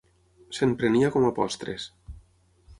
Se'n prenia com a postres.